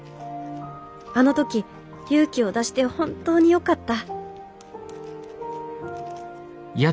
あの時勇気を出して本当によかった